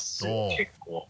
結構。